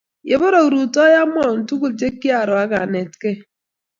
Yeporok rutoi amwaun tukul che kiaro ak anetkei